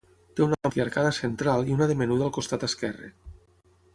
Té una àmplia arcada central i una de menuda al costat esquerre.